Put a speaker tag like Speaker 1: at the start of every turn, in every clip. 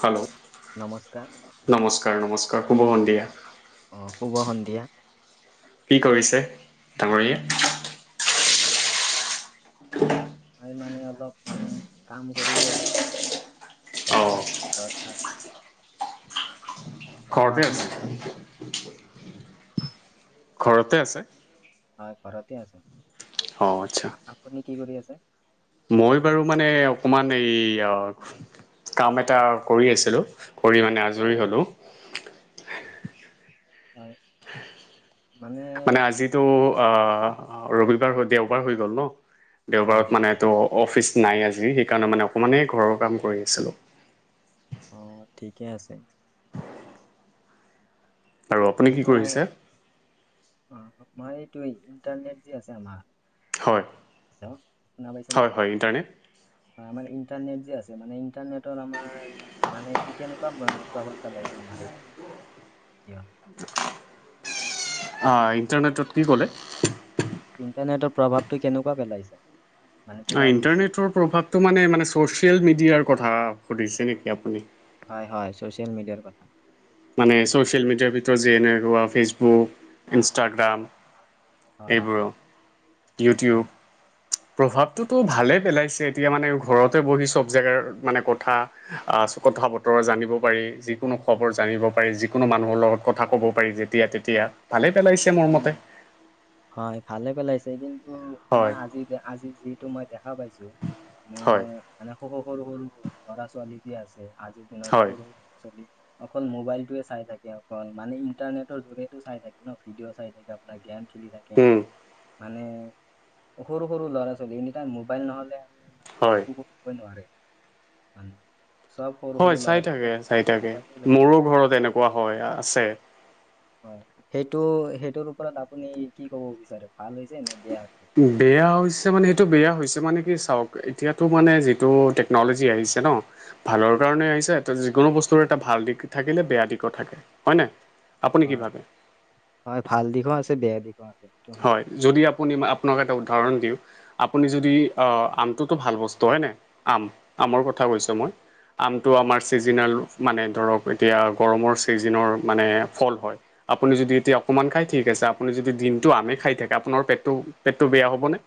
Speaker 1: Hello,
Speaker 2: নমস্কাৰ
Speaker 1: নমস্কাৰ, নমস্কাৰ, শুভ সন্ধিয়া
Speaker 2: অ', শুভ সন্ধিয়া
Speaker 1: কি কৰিছে ডাঙৰীয়ে
Speaker 2: মই মানে, অলপ মানে কাম কৰিলো অলপ ঘৰ
Speaker 1: অঁ
Speaker 2: ঘৰ চি আৰু
Speaker 1: ঘৰতে
Speaker 2: আপুনি কি?
Speaker 1: আছে, ঘৰতে আছে
Speaker 2: হয়, ঘৰতে আছ
Speaker 1: অ, আচ্ছা
Speaker 2: আপুনি কি কৰি আছে
Speaker 1: মই বাৰু মানে, অকমান এই কাম এটা কৰি আছিলো, কৰি মানে আজৰি হলো
Speaker 2: হয়।
Speaker 1: মানে, আজিতো অ ৰবিবাৰ হৈ দেওবাৰ হৈ গ'ল ন
Speaker 2: হয়
Speaker 1: দেওবাৰত মানে
Speaker 2: দেখুৱা
Speaker 1: তো অফিচ নাই আজি, সেইকাৰণে মানে অকণমানেই ঘৰৰ কাম কৰি আছিলোঁ
Speaker 2: অ', ঠিকে আছে
Speaker 1: আৰু আপুনি কি
Speaker 2: মই
Speaker 1: কৰিছে?
Speaker 2: অ', [unintelligible] এইটো ইণ্টাৰনেট যি আছে আমাৰ
Speaker 1: হয়।
Speaker 2: হেল্ল' শুনা পাইছেনে?
Speaker 1: হয় হয় ইণ্টাৰনেট
Speaker 2: মানে ইণ্টাৰনেট যে আছে, মে ইণ্টাৰনেটৰ আমাৰ মানে কি, কেনেকুৱা প্ৰভাৱ পেলাইছে আমাৰ এইটো ইহত
Speaker 1: অ', ণ্টাৰনেটত কি ক'লে
Speaker 2: ইণ্টাৰনেটৰ প্ৰভাৱটো কেনেকুৱা পেলাইছে? মানে
Speaker 1: অ',
Speaker 2: পুৰা বিশ্ব
Speaker 1: ণ্টাৰনেটৰ প্ৰভাৱটো মানে, মানে চচিয়েল মিডিয়াৰ কথা সুধিছে নেকি আপুনি
Speaker 2: হয়, হয়, ছ'চিয়েল মিডিয়াৰ কথা
Speaker 1: মানে, চচিয়েল মিডিয় ভিতৰত যেনেকা ফেচবুক ইনষ্টটাগ্ৰাম
Speaker 2: হয়
Speaker 1: এইবোৰ অ',
Speaker 2: হয়,
Speaker 1: ইউটিউব প্ৰভাৱটোতো ভালে পেলাইছে এতিয়া মানে ঘৰতে বহি চব জেগাৰ মানে কথা আহ চ' কথা বতৰা জানিব পাৰি যিকোনো খবৰ জানিব পাৰি যিকোনো মানুহৰ লগত কথা ক'ব পাৰি যেতিয়া তেতিয়া ভালে পেলাইছে মোৰ মতে।
Speaker 2: হয় ভালে পেলাইছে কিন্তু মই
Speaker 1: হয়
Speaker 2: আজি দে আজি যিতু মই দেখা পাইছো মোৰ
Speaker 1: হয়
Speaker 2: মানে সৰু সৰু সৰু ল'ৰা ছোৱালী দি আছে আজিৰ দিনত
Speaker 1: হয়
Speaker 2: সৰু সৰু ল'ৰা ছোৱালী অকল মোবাইল টোৱে চাই থাকে, অকল মানে ইণ্টাৰনেটৰ জৰিয়তে চাই থাকে ন, ভিডিঅ' চাই থাকে আপোনাৰ গেম খেলি থাকে।
Speaker 1: উম
Speaker 2: মানে সৰু সৰু ল'ৰা ছোৱালী এনি টাইম মোবাইল নহলে আৰু
Speaker 1: হয়।
Speaker 2: একো ন মানে [unintelligible] চব সৰু
Speaker 1: হয়
Speaker 2: সৰু
Speaker 1: চাই
Speaker 2: ল'ৰা
Speaker 1: থাকে
Speaker 2: ছোৱালীয়ে
Speaker 1: চাই থাকে
Speaker 2: মোবাইলে লৈ থাকে
Speaker 1: মোৰো ঘৰত এনেকুৱা হয় আছে।
Speaker 2: হয় সেইটো সেইটোৰ ওপৰত আপুনি কি ক'ব বিচাৰে ভাল হৈছে নে বেয়া হৈছে?
Speaker 1: বেয়া হৈছে মানে সেইটো বেয়া হৈছে, মানে কি চাওঁক এতিয়াতো মানে যিটো টেকন'লজি আহিছে ন ভালৰ কাৰণে আহিছে এ যিকোনো বস্তুৰ এটা ভাল দিশ থাকিলে বেয়া দিশো থাকে হয় নে? আপুনি
Speaker 2: হয়
Speaker 1: কি ভাবে?
Speaker 2: হয় ভাল দিশো আছে বেয়া দিশো আছে।
Speaker 1: হয় যদি আপুনি আপোনাক এটা উদাহৰণ দিওঁ আপুনি যদি আহ আমটোতো ভাল বস্তু হয়নে? আম আমৰ কথা কৈছো মই আমটো আমাৰ ছিজনেল মানে ধৰক এতিয়া গৰমৰ ছিজনৰ মানে ফল হয়। আপুনি যদি এতিয়া অকমান খাই ঠিক আছে। আপুনি যদি দিন টো আম খাই থাকে আপোনাৰ পেটটো পেটটো বেয়া হ'ব নে?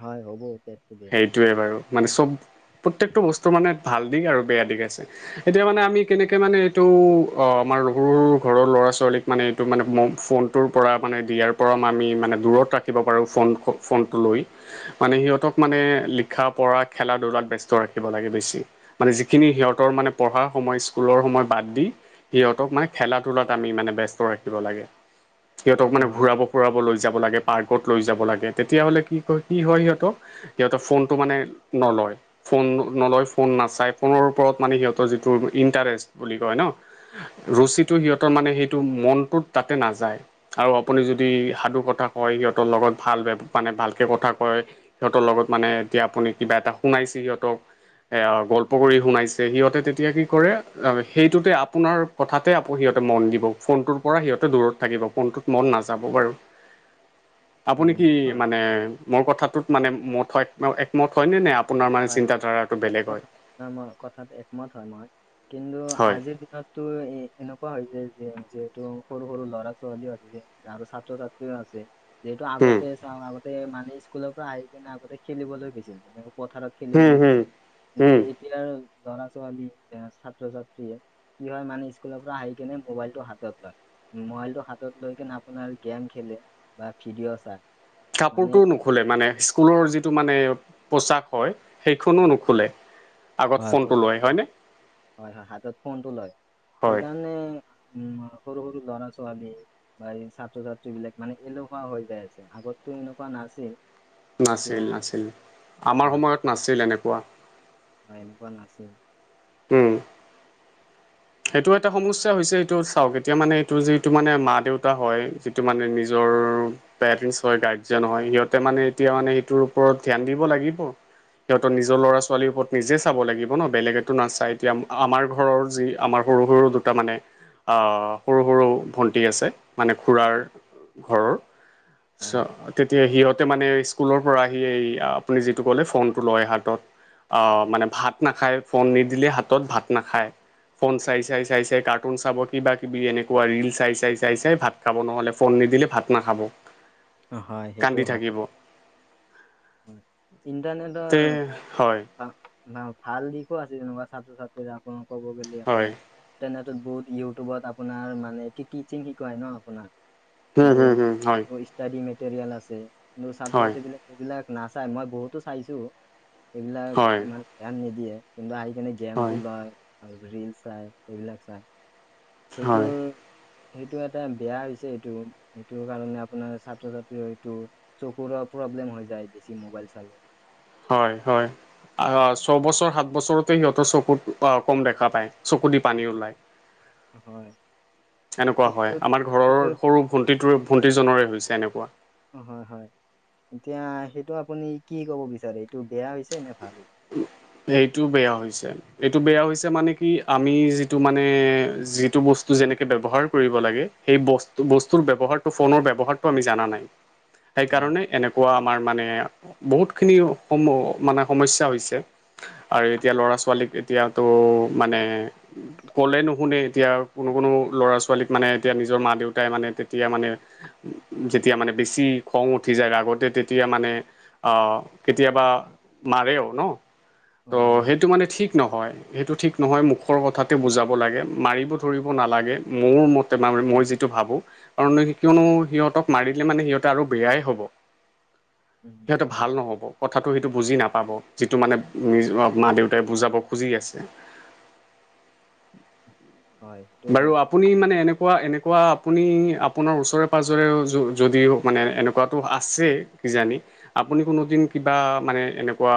Speaker 2: হয় হ'ব পেটটো বেয়া।
Speaker 1: সেইটোৱে বাৰু মানে চব প্ৰত্যকটো বস্তু মানে ভাল দিশ আৰু বেয়া দিশ আছে। এতিয়া মানে আমি কেনেকে মানে এইটো অ' আমাৰ সৰু সৰু ঘৰৰ ল'ৰা ছোৱালীক মানে এইটো মানে ম ফোনটোৰ পৰা মানে দিয়াৰ পৰা আমি মানে দূৰত ৰাখিব পাৰোঁ ফোন ফোনটো লৈ মানে সিহঁতক মানে লিখা পঢ়া খেলা ধূলাত ব্যস্ত ৰাখিব লাগে বেছি। মানে যিখিনি সিহঁতৰ মানে পঢ়া সময় স্কুলৰ সময় বাদ দি সিহঁতক মানে খেলা ধূলাত আমি মানে ব্যস্ত ৰাখিব লাগে। সিহঁতক মানে
Speaker 2: হয়
Speaker 1: ঘুৰাব ফুৰাব লৈ যাব লাগে, পাৰ্কত লৈ যাব লাগে, তেতিয়াাহ'লে কি কয় কি হয় সিহঁতক সিহঁতে ফোনটো মানে নলয়। ফোন নলয় ফোন নাচাই ফোনৰ ওপৰত মানে সিহঁতৰ যিটো ইণ্টাৰেষ্ট বুলি কয় ন।
Speaker 2: হয়
Speaker 1: ৰুচিটো সিহঁতৰ মানে সেইটো মনটোত তাতে নাযায়। আৰু আপুনি যদি সাধু কথা কয় সিহঁতৰ লগত ভাল মানে ভালকে কথা কয় সিহঁতৰ লগত মানে এতিয়া আপুনি কিবা এটা শুনাইছে সিহঁতক গল্প কৰি শুনাইছে, সিহঁতে তেতিয়া কি কৰে সেইটোতে আপোনাৰ কথাতে আকৌ সিহঁতে মন দিব ফোনটোৰ পৰা সিহঁতে দূৰত থাকিব, ফোনটোত মন নাযাব বাৰু। আপুনি
Speaker 2: উম
Speaker 1: কি
Speaker 2: হয়
Speaker 1: মানে মোৰ কথাটোত মানে মত হয় একমত হয় নে? নে আপোনাৰ মানে চিন্তাধাৰাটো বেলেগ হয়?
Speaker 2: নাই মই কথাতোট একমত হয়, মই কিন্তু
Speaker 1: হয়
Speaker 2: আজিৰ তাতো এ এনেকুৱা হৈছে যে, যিহেতু সৰু সৰু ল'ৰা ছোৱালীও আছেযে। আৰু ছাত্ৰ ছাত্ৰী আছে। যিহেতু
Speaker 1: উম,
Speaker 2: আগতে চাও আগতে মানে স্কুলৰ পৰা আহি পিনে আগতে খেলিবলৈ গৈছিল, তেনেক পথাৰত
Speaker 1: হম,
Speaker 2: খেলিবলৈ
Speaker 1: হম,
Speaker 2: গৈছিল, কিন্তু
Speaker 1: উম।
Speaker 2: এতিয়াৰ ল'ৰা ছোৱালী বা ছাত্ৰ ছাত্ৰীয়ে কি হয় মানে স্কুলৰ পৰা আহি কিনে মোবাইলটো হাতত লয়। মোবাইলটো হাতত লৈ কিনে আপোনাৰ গে'ম খেলে বা ভিডিঅ' চাই। মানে
Speaker 1: কাপোৰটোও নোখোলে, মানে স্কুলৰ যিটো মানে পোচাক হয় সেইখনো
Speaker 2: হয়
Speaker 1: নোখোলে আগত
Speaker 2: হয়
Speaker 1: ফোনটো
Speaker 2: পইচাটো
Speaker 1: লয় হয়নে?
Speaker 2: হয় হয় হাতত ফোনটো লয়,
Speaker 1: হয়
Speaker 2: সেইকাৰণে উম সৰু সৰু ল'ৰা ছোৱালীয়ে বা এই ছাত্ৰ-ছাত্ৰী বিলাক মান এলোহুৱা হৈ যায় আছে আগতো এনেকুৱা নাছিল। এতিয়া
Speaker 1: নাছিল, নাছিল আমাৰ
Speaker 2: হয়,
Speaker 1: সময়ত নাছিল এনেকুৱা।
Speaker 2: হয়, এনেকুৱা নাছিল।
Speaker 1: উম। সেইটো এটা সমস্যা হৈছে এইটো চাওঁক, এতিয়া মানে এইটো যিটো মানে মা দেউতা হয় যিটো মানে নিজৰ পেৰেন্ট হয় গাৰ্জেন হয় সিহঁতে মানে এতিয়া মানে সেইটোৰ ওপৰত ধ্যান দিব লাগিব। সিহঁতৰ নিজৰ ল'ৰা ছোৱালীৰ ওপৰত নিজে চাব লাগিব ন, বেলেগতো নাচায় এতিয়া আমাৰ ঘৰৰ যি আমাৰ সৰু, সৰু দুটা মানে আহ, সৰু, সৰু ভণ্টি আছে মানে খুৰাৰ। ঘৰৰ
Speaker 2: হয়,
Speaker 1: তেতিয়া সিহঁত। তে মানে স্কুলৰ পৰা আহি এই আপুনি যিটো ক'লে ফোনটো লয় হাতত। মানে ভাত নাখায়, ফোন নিদিলে হাতত ভাত নাখায়। ফোন চাই, চাই, চাই, চাই কাৰ্টুন চাব কিবা কিবি এনেকুৱা ৰিল চাই, চাই, চাই, চাই ভাত। খাব নহ'লে ফোন নিদিলে ভাত নাখাব।
Speaker 2: হয়, সেইটো
Speaker 1: কান্দি
Speaker 2: হয়।
Speaker 1: থাকিব
Speaker 2: হয়,
Speaker 1: তে
Speaker 2: ইণ্টাৰনেটৰ
Speaker 1: হয়
Speaker 2: বা ভাল দিশো আছে যেনেকুৱা ছাত্ৰ-ছাত্ৰী ক'ব গ'লে
Speaker 1: হয়
Speaker 2: আপোনাৰ। তেনেত বহুত ইউটিউবত আপোনাৰ মানে টিচিং শিকাই ন আপোনাক।
Speaker 1: হুম
Speaker 2: কিন্তু
Speaker 1: হুম হুম হয়
Speaker 2: ষ্টাডী মেটেৰিয়েল আছে, কিন্তু
Speaker 1: হয়
Speaker 2: ছাত্ৰ-ছাত্ৰী বিলা সেইবিলাক নাচাই মই বহুতো চাইছোঁ,
Speaker 1: হয়
Speaker 2: সেইবিলাক ইমান ধ্যান নিদিয়ে কিন্তু আহি কেনে
Speaker 1: হয়
Speaker 2: গেমটো লয় আৰু ৰীল চায়, সেইবিলাক চায় সেইটো সেইটো এটা বেয়া হৈছে এইটো, এইটো কাৰণে। আপোনাৰ ছাত্ৰ-ছাত্ৰী হয়তো চকুৰৰ প্ৰব্লেম হৈ যায় বেছি মোবাইল চালে।
Speaker 1: হয়, হয়। আহ, ছয়বছৰ, সাত বছৰতে সিহঁতৰ চকুত কম দেখা পায় চকু দি পানী ওলায়।
Speaker 2: হয়
Speaker 1: এনেকুৱা হয়
Speaker 2: সেইটোত
Speaker 1: আমাৰ ঘৰৰ
Speaker 2: সেইটোত
Speaker 1: সৰু। ভণ্টিটো ভণ্টিজনৰে হৈছে এনেকুৱা।
Speaker 2: অ', হয়, হয় এতিয়া সেইটো আপুনি কি কব বিচাৰে এইটো বেয়া হৈছে নে ভাল হৈছে?
Speaker 1: সেইটো বেয়া হৈছে। এইটো বেয়া হৈছে মানে কি আমি যিটো মানে, যিটো বস্তু যেনেকে ব্যৱহাৰ কৰিব লাগে। সেই বস্তু-বস্তুৰ ব্যৱহাৰটো ফোনৰ ব্যৱহাৰটো আমি জানা নাই।
Speaker 2: হয়
Speaker 1: সেইকাৰণে এনেকুৱা আমাৰ মানে বহুতখিনি সম মানে সমস্যা হৈছে। আৰু এতিয়া লৰা ছোৱালীক এতিয়াতো মানে। ক'লে নুশুনে এতিয়া কোনো, কোনো ল'ৰা ছোৱালীক মানে এতিয়া নিজৰ মা দেউতাই মানে তেতিয়া মানে। যেতিয়া মানে বেছি খং উঠি যায় আগতে তেতিয়া মানে। অ', কেতিয়াবা মাৰেও ন
Speaker 2: অ
Speaker 1: ত'
Speaker 2: আমাৰ
Speaker 1: সেইটো মানে ঠিক নহয়। সেইটো ঠিক নহয় মুখৰ কথাতে বুজাব লাগে, মাৰিব ধৰিব নালাগে মোৰ মতে ম-মই যিটো ভাবোঁ। আৰু কিয়নো সিহঁতক মাৰিলে মানে সিহঁতে আৰু বেয়াই হব।
Speaker 2: উম,
Speaker 1: সিহঁতে
Speaker 2: হয়
Speaker 1: ভাল নহ'ব, কথাটো সেইটো বুজি নাপাব যিটো মানে। নিজ মা দেউতাই বুজাব খুজি আছে।
Speaker 2: হয়, সেইটো
Speaker 1: বাৰু
Speaker 2: হয়।
Speaker 1: আপুনি মানে এনেকুৱা, এনেকুৱা আপুনি আপোনাৰ ওচৰে পাজৰে যদিও মানে এ এনে কোৱাটো আছেই কিজানি আপুনি কোনোদিন কিবা মানে এনেকুৱা।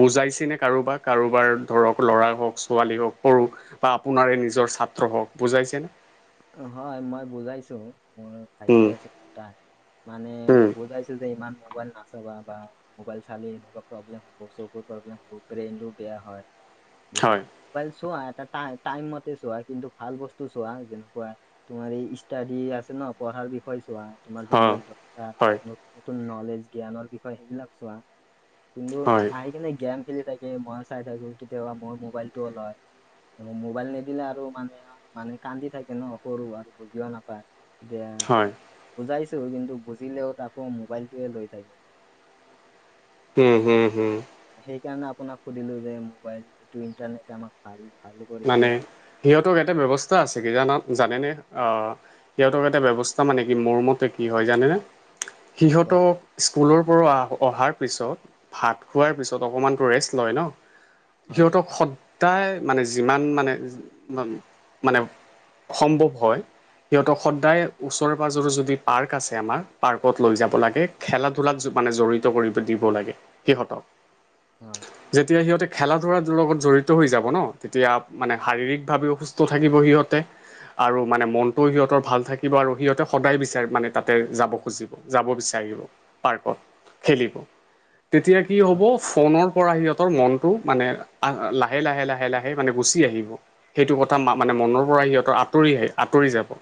Speaker 1: বুজাইছে নে কাৰোবাৰ, কাৰোবাৰ ধৰক ল'ৰা হওঁক, ছোৱালী হওঁক সৰু বা আপোনাৰে নিজৰ ছাত্ৰ হওঁক বুজাইছেনে?
Speaker 2: হয়, মই বুজাইছোঁ মোৰ ভাইটি
Speaker 1: উম
Speaker 2: আছে দুটা। মানে
Speaker 1: উম
Speaker 2: বুজাইছোঁ যে ইমান মোবাইল নাচবা বা মোবাইল চালে এনেকুৱা প্ৰব্লেম হব চকুৰ প্ৰব্লেম হ'ব, ব্ৰেইনটো বেয়া হয়।
Speaker 1: হয়
Speaker 2: বেছিকে চোৱা এটা টাইম মতে চোৱা কিন্তু ভাল বস্তু চোৱা। তোমাৰ এই ষ্টডি আছে ন পঢ়াৰ বিষয় চোৱা তোমাৰ
Speaker 1: হয়
Speaker 2: যোনবিলাক দৰ
Speaker 1: হয়
Speaker 2: নতুন নলেজ জ্ঞানৰ বিষয় সেইবিলাক চোৱা কিন্তু
Speaker 1: হয়
Speaker 2: আহই কেনে জ্ঞান। খেলি থাকে মই চাই থাকো কেতিয়াবা মই মোবাইল টো লয়। মোবাইল নিদিলে আৰু মানে মানে কান্দি থাকে। কনে সৰু আৰু বুজিও নাপায় যে
Speaker 1: হয়
Speaker 2: বুজাইছো কিন্তু বুজিলেও আাকৌ মোবাইলটয়ে লৈ থাকে।
Speaker 1: হে, হে, হে
Speaker 2: সেইকাৰণে আপোনাক সুধিলো যে মোবাইল এইটো ইন্টাৰনেট আমাক ভাল ভাল কৰিছে
Speaker 1: মানে
Speaker 2: নে।
Speaker 1: সিহঁতক এটা ব্যৱস্থা আছে কিজান জানেনে? আহ, সিহঁতক এটা ব্যৱস্থা মানে কি মোৰ মতে কি হয় জানেনে সিহঁতক। স্কুলৰ পৰা অহাৰ পিছত ভাত খোৱাৰ পিছত অকমানতটো ৰেষ্ট লয় ন।
Speaker 2: হয়
Speaker 1: সিহঁতক সদায় মানে যিমান মানে মানে। সম্ভৱ হয়। সিহঁতক সদায় ওচৰে পাজৰে যদি পাৰ্ক আছে আমাৰ পাৰ্কত লৈ যাব লাগে। খেলা ধূলাত মানে জড়িত কৰি দিব লাগে সিহঁতক।
Speaker 2: হয়।
Speaker 1: যেতিয়া সিহঁতে খেলা ধূলাৰ লগত জড়িত হৈ যাব ন। তেতিয়া মানে শাৰীৰিক ভাৱেও সুস্থ থাকিব সিহঁতে। আৰু মানে মনটোও সিহঁতৰ ভাল থাকিব আৰু সিহঁতে সদায় বিচাৰে মানে তাতে যাব খুজিব। যাব বিচাৰিব পাৰ্কত খেলিব। তেতিয়া কি হ'ব
Speaker 2: হয়
Speaker 1: ফোনৰ পৰা সিহঁতৰ মনতটো মানে লাহে লাহে লাহে লাহে। আহে মানে গুচি আহিব। সেইটো কথা মা মানে মনৰ পৰা সিহঁতৰ আঁতৰি আহে আঁতৰি যাব।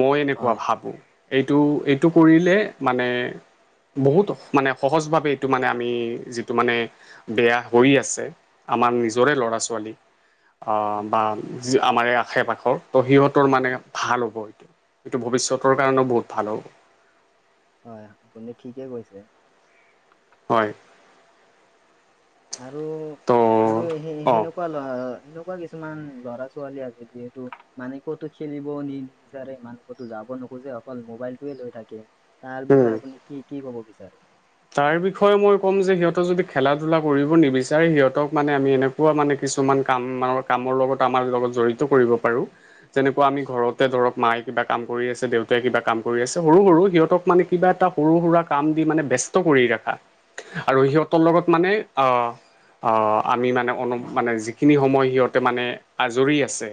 Speaker 1: মই এনেকুৱা
Speaker 2: হয়
Speaker 1: ভাবো এইটো এইটো কৰিলে মানে। বহুত মানে সহজভাৱে এইটো মানে আমি, যিটো মানে। বেয়া হৈ আছে আমাৰ নিজৰে ল'ৰা ছোৱালী আহ
Speaker 2: উম,
Speaker 1: বা। আমাৰ এই আশে পাশৰ ত সিহঁতৰ মানে ভাল হ'ব এইটো। সেইটো ভৱিষ্যতৰ কাৰণেও বহুত ভাল হ'ল।
Speaker 2: হয়, আপুনি ঠিকে কৈছে।
Speaker 1: হয়।
Speaker 2: আৰু আৰু স,
Speaker 1: ত'
Speaker 2: সেনেকুৱা ল সেনেকুৱা কিছুমান ল'ৰা ছোৱালী আছে যিহেতু মানে কতো খেলিবও নিবিচাৰে ই। কতো যাবও নোখোজে অকল মোবাইলটোৱে লৈ থাকে তাৰ
Speaker 1: অঁ
Speaker 2: বিষয়ে আপুনি কি ক'ব বিচাৰে।
Speaker 1: তাৰ বিষয়ে মই ক'ম যে সিহঁতেক যদি খেলা ধূলা কৰিব নিবিচাৰে সিহঁতক মানে আমি এনে। কোৱা মানে কিছুমান কাম কামৰ লগত আমাৰ লগত জড়িত কৰিব পাৰো। যেনেকুৱা আমি ঘৰতে ধৰক মায়ে কিবা কাম কৰি আছে দেউতাই কিবা কাম কৰি আছে সৰু সৰু সিহঁতক মানে কিবা এটা। সৰু সুৰা কাম দি মানে ব্যস্ত কৰি ৰাখা আৰু সিহঁতৰ লগত মানে আহ, আমি মানে অনু মানে যিখিনি সময় সিহঁতে মানে আজৰি আছে।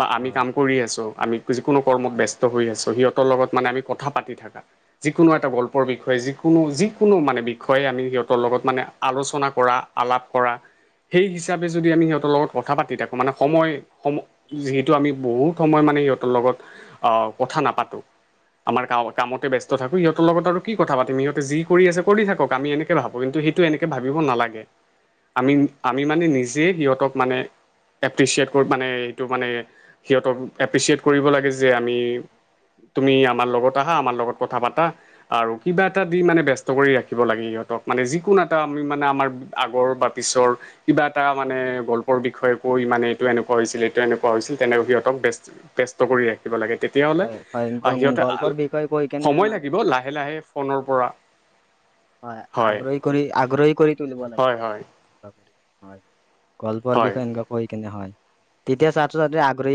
Speaker 1: বা আমি
Speaker 2: হয়
Speaker 1: কাম কৰি আছোঁ আমি যিকোনো কৰ্মত ব্যস্ত হৈ আছোঁ সিহঁতৰ লগত মানে আমি কথা পাতি থাকা। যিকোনো এটা গল্পৰ বিষয়ে যিকোনো যি। কোনো মানে বিষয়ে আমি সিহঁতৰ লগত মানে আলোচনা কৰা আলাপ কৰা। সেই হিচাপে যদি আমি সিহঁতৰ লগত কথা পাতি থাকোঁ মানে সময় সম যিহেতু আমি বহুত সময় মানে সিহঁতৰ লগত আহ কথা নাপাতো। আমাৰ কামতে ব্যস্ত থাকো সিহঁতৰ লগত আৰু কি কথা পাতিম? সিহঁতে যি। কৰি আছে কৰি থাকক আমি এনেকে ভাবো কিন্তু সেইটো এনেকে ভাবিব নালাগে। আমি আমি মানে নিজে সিহঁতক মানে। এপ্ৰিচিয়েট মানে এইটো মানে সিহঁতক এপ্ৰিচিয়েট কৰিব লাগে যে আমি। তুমি আমাৰ লগত আহা আমাৰ লগত কথা পাতা আৰু কিবা এটা দি মানে ব্যস্ত। নষ্ট কৰি ৰাখিব লাগে সিহঁতক মানে যিকোনো এটা আমি মানে আমাৰ আগৰ বা পিছৰ। কিবা এটা মানে গল্পৰ বিষয়ে কৈ মানে এইটো এনেকুৱা হৈছিল, এইটো এনেকুৱা হৈছিল, তেনে সিহঁতক ব্যস্ত ব্যস্ত কৰি ৰাখিব লাগে তেতিয়াহ'লে
Speaker 2: হয় হয়
Speaker 1: আ,
Speaker 2: গ-
Speaker 1: সিহঁতে আল
Speaker 2: গল্পৰ বিষয়ে কৈ কেনে
Speaker 1: সময়
Speaker 2: মানে
Speaker 1: লাগিব লাহে লাহে কৰ্ণৰপৰা।
Speaker 2: হয় আগ্ৰহী কৰি আগ্ৰহী কৰি তুলিব লাগে
Speaker 1: হয় হয়
Speaker 2: হয়। গল্পৰ
Speaker 1: হয়
Speaker 2: বিষয়ে এনেকুৱা কৈ কেনে হয়, তেতিয়া ছাত্ৰ ছাত্ৰী আগ্ৰহী